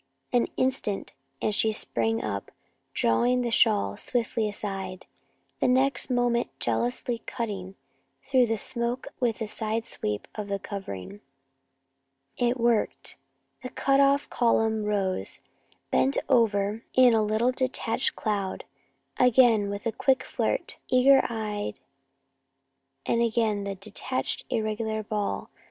An instant and she sprang up, drawing the shawl swiftly aside, the next moment jealously cutting through the smoke with a side sweep of the covering. It worked! The cut off column rose, bent over in a little detached cloud. Again, with a quick flirt, eager eyed, and again the detached irregular ball!